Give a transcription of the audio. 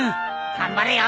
頑張れよ！